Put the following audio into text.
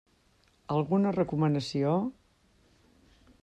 Alguna recomanació?